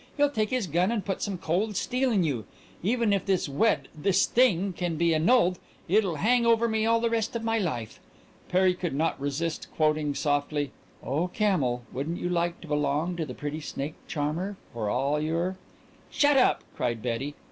He'll take his gun and put some cold steel in you. Even if this wed this thing can be annulled it'll hang over me all the rest of my life!" Perry could not resist quoting softly: "'Oh, camel, wouldn't you like to belong to the pretty snake charmer for all your '" "Shut up!" cried Betty.